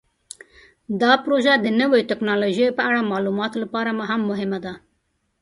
دا پروژه د نوو تکنالوژیو په اړه د معلوماتو لپاره هم مهمه ده.